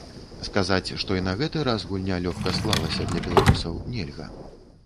Сказаць, што і на гэты раз гульня лёгка склалася для беларусаў, нельга.